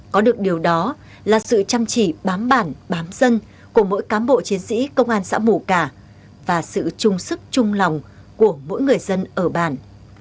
có được điều đó là sự chăm chỉ bám bản bám dân của mỗi cám bộ chiến sĩ công an xã mù cả và sự chung sức chung lòng của mỗi người dân ở bản